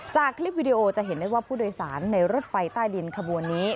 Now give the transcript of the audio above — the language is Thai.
จากคลิปวิดีโอจะเห็นได้ว่าผู้โดยสารในรถไฟใต้ดินขบวนนี้